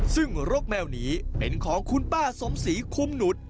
ซึ่งรกแมวนี้เป็นของคุณป้าสมศรีคุ้มหนุษย์